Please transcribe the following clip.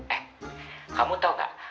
eh kamu tau gak